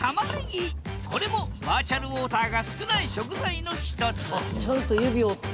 これもバーチャルウォーターが少ない食材の一つあっちゃんと指折って。